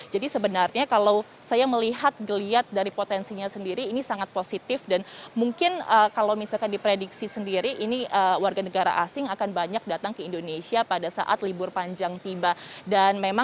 jadi sebenarnya kalau saya melihat dari potensinya sendiri ini sangat positif dan mungkin kalau misalkan diprediksi sendiri ini warga negara asing akan banyak datang ke indonesia pada saat libur panjang tiba